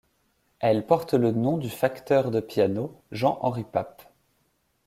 Elle porte le nom du facteur de piano Jean-Henri Pape.